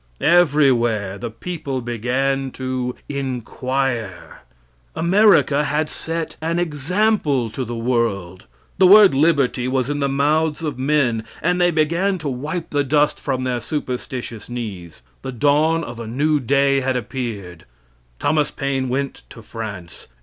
Everywhere the people began to inquire. America had set an example to the world. The word liberty was in the mouths of men, and they began to wipe the dust from their superstitious knees. The dawn of a new day had appeared. Thomas Paine went to France.